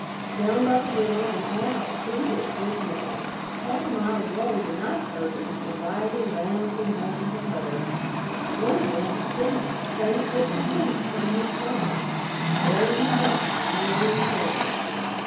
Down by the river an owl hooted dismally. Half a mile away the night herders were riding round and round the herd. One of them was singing, faint but distinct came his song: "Bury me not on the lone prairie."